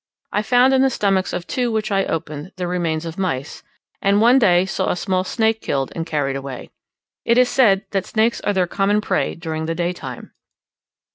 I found in the stomachs of two which I opened the remains of mice, and I one day saw a small snake killed and carried away. It is said that snakes are their common prey during the daytime.